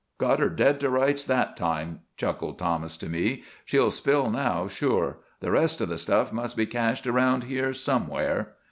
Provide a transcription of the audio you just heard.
"Got her dead to rights that time," chuckled Thomas to me. "She'll spill now sure. The rest of the stuff must be cached around here somewhere."